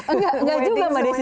enggak juga mbak desi